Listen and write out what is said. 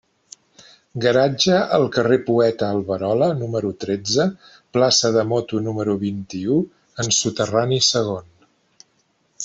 Garatge al carrer Poeta Alberola, número tretze, plaça de moto número vint-i-u en soterrani segon.